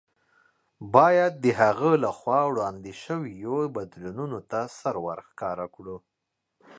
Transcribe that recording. باید د هغه له خوا وړاندې شویو بدلوونکو ته سر ورښکاره کړو.